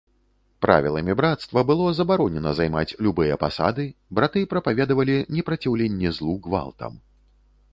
Правіламі брацтва было забаронена займаць любыя пасады, браты прапаведавалі непраціўленне злу гвалтам.